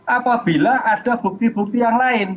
apabila ada bukti bukti yang lain